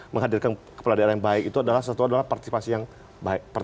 menghadirkan kepala daerah yang baik itu adalah satu adalah partisipasi yang baik